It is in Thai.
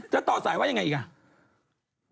ต่อสายว่ายังไงอีกอ่ะ